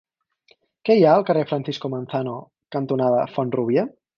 Què hi ha al carrer Francisco Manzano cantonada Font-rúbia?